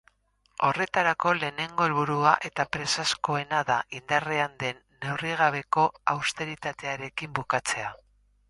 Horretarako, lehenengo helburua eta presazkoena da, indarrean den neurrigabeko austeritatearekin bukatzea.